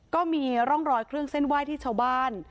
ก็มีร่องรอยเครื่องเส้นไหว้ที่ชาวบ้าน